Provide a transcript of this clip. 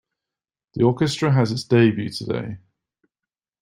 The orchestra has its debut today.